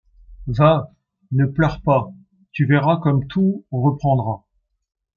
Va, ne pleure pas, tu verras comme tout reprendra.